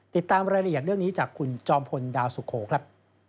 ติดตามรายละเอียดเรื่องนี้จากคุณจอมพลดาวสุโขครับ